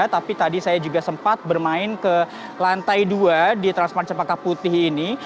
tapi tadi saya juga sempat bermain ke lantai dua di transmart cepaka putih ini